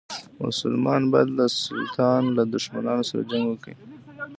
مسلمان باید له سلطان له دښمنانو سره جنګ وکړي.